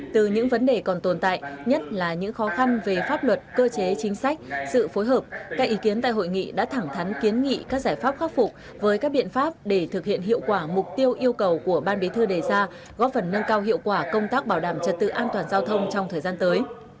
từ những vấn đề còn tồn tại nhất là những khó khăn về pháp luật cơ chế chính sách sự phối hợp các ý kiến tại hội nghị đã thẳng thắn kiến nghị các giải pháp khắc phục với các biện pháp để thực hiện hiệu quả mục tiêu yêu cầu của ban bí thư đề ra góp phần nâng cao hiệu quả công tác bảo đảm trật tự an toàn giao thông trong thời gian tới